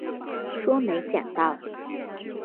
说没捡到